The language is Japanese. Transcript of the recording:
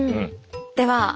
では